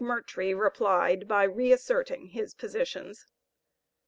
McMurtrie replied by reasserting his positions.